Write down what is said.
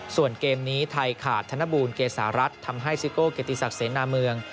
ส่วนเกมนี้ไทยขาดธนบูลเกษารัฐทำให้ซิโก้เกติศักดิ์เสนาเมือง